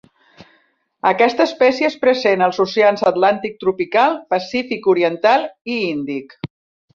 Aquesta espècie és present als oceans Atlàntic tropical, Pacífic oriental i Índic.